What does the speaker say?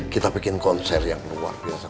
kita bikin konser yang luar biasa